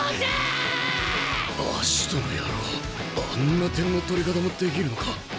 葦人の野郎あんな点の取り方もできるのか。